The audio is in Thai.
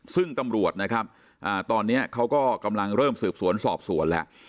ซึ่งตำรวจนะครับตอนนี้เขาก็กำลังเริ่มสืบสวนสอบสวนแล้ว